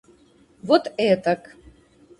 Вот этак.